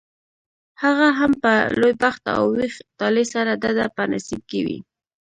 هغه هم په لوی بخت او ویښ طالع سره دده په نصیب کې وي.